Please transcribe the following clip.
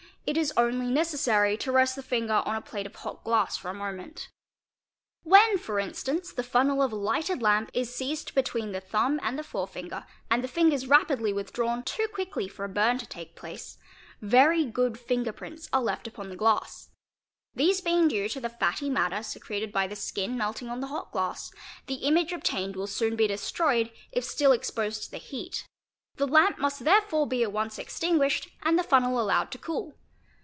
it is only necessary to rest the finger on a plate of hot glass — for a moment. When for instance the funnel of a lighted lamp is seized — between the thumb and the fore finger, and the fingers rapidly withdrawn, too quickly for a burn to take place, very good finger prints are left upon al t ( ip +3 es ) te Ae ot oe = 4 FINGERPRINTS IN BLOOD 585 the glass. These being due to the fatty matter secreted by the skin melting on the hot glass, the image obtained will soon be destroyed if still exposed to the heat; the lamp must therefore be at once extinguished and the fun nel allowed to cool.